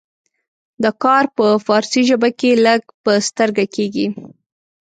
دا کار په فارسي ژبه کې لږ په سترګه کیږي.